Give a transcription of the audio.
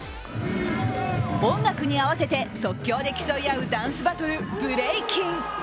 音楽に合わせて即興で競い合うダンスバトル、ブレイキン。